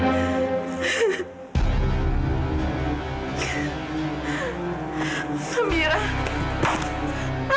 farah saat perjalanan ke tempat